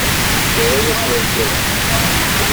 Yerra-as urgaz-is.